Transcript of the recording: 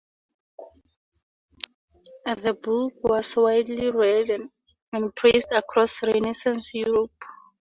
The book was widely read and praised across Renaissance Europe.